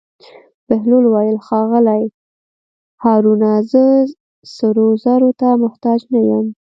بهلول وویل: ښاغلی هارونه زه سرو زرو ته محتاج نه یم.